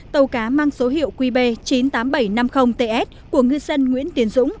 tàu cá mang số hiệu qb chín mươi tám nghìn bảy trăm năm mươi ts của ngư dân nguyễn tiến dũng